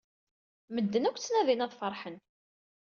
Medden akk ttnadin ad feṛḥen.